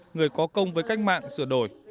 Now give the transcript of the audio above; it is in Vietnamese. người có công với cách mạng sửa đổi